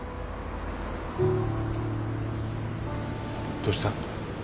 どうした？